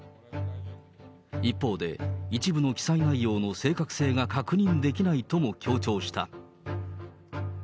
一方で、一部の記載内容の正確性が確認できないとも強調した。